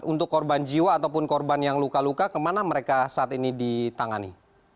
untuk korban jiwa ataupun korban yang luka luka kemana mereka saat ini ditangani